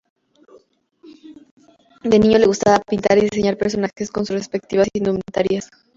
De niño le gustaba pintar y diseñar personajes con sus respectivas indumentarias.